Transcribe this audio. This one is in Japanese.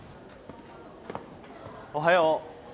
おはよう。